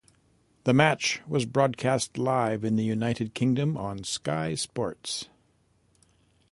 The match was broadcast live in the United Kingdom on Sky Sports.